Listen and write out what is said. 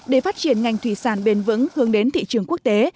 để phát triển ngành thủy sản bền vững hướng đến thị trường quốc tế